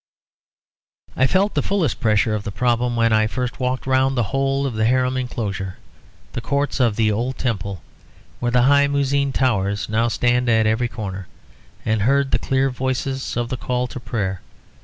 I felt the fullest pressure of the problem when I first walked round the whole of the Haram enclosure, the courts of the old Temple, where the high muezzin towers now stand at every corner, and heard the clear voices of the call to prayer.